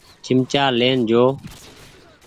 چمچآ لين جو ۔